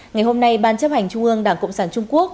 ngày hôm nay ban chấp hành trung ương đảng cộng sản trung quốc